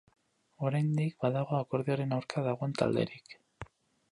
Oraindik badago akordioaren aurka dagoen talderik.